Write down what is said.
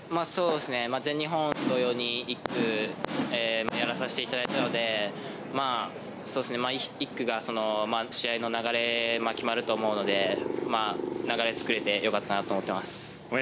全日本のように１区をやらさせてもらったので、１区が試合の流れで決まると思うので、流れをつくれてよかったと思っています。